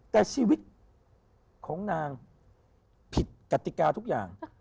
แต่ชีวิตของนางผิดกติกาทุกอย่าง